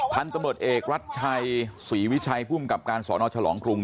ท่านตำรวจเอกรัฐชัยศรีวิชัยภูมิกับการสอนอชลองกรุง